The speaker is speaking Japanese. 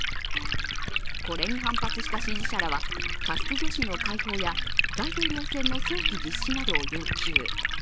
これに反発した支持者らはカスティジョ氏の解放や大統領選の早期実施などを要求。